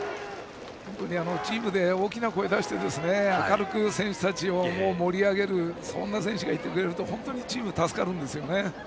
チームで大きな声を出して明るく選手たちを盛り上げるそんな選手がいてくれると本当にチームは助かるんですね。